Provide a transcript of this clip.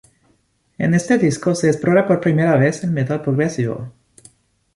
En este disco se explora por primera vez el metal progresivo.